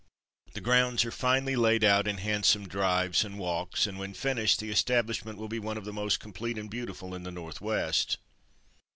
The grounds are finely laid out in handsome drives and walks, and when finished the establishment will be one of the most complete and beautiful in the Northwest."